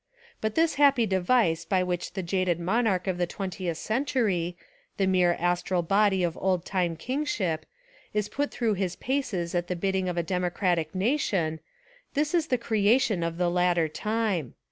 But this happy de vice by which the jaded monarch of the twen tieth century, — the mere astral body of old time kingship — is put through his paces at the bidding of a democratic nation, — this is the cre ation of the later time.